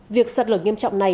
việc sạt lở nghiêm trọng này